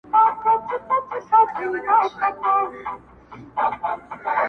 بس په نغري کي د بوډا مخ ته لمبه لګیږي!!